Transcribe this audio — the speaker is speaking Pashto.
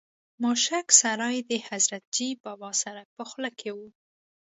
ماشک سرای د حضرتجي بابا سرک په خوله کې و.